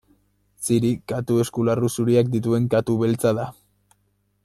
Ziri katu eskularru zuriak dituen katu beltza da.